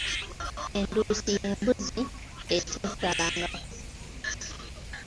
Enduusi y’embuzzi atazaalangako.